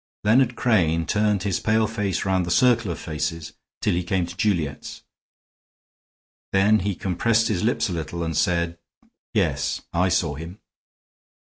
Leonard Crane turned his pale face round the circle of faces till he came to Juliet's; then he compressed his lips a little and said: "Yes, I saw him."